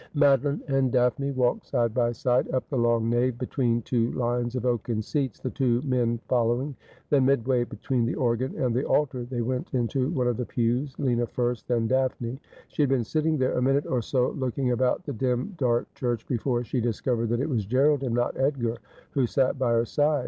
Madeline and Daphne walked side by side up the long nave, between two lines of oaken seats, the two men followiDg ; then midway betvi'een the organ and the altar, they went into one of the pews — Lina first, then Daphne. She had been sitting there a minute or so looking about the dim dark church before she discovered that it was Gerald, and not Edgar, who sat by her side.